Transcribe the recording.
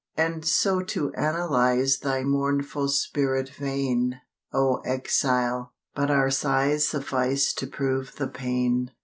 And so to analyse Thy mournful spirit vain, O Exile; but our sighs Suffice to prove the pain.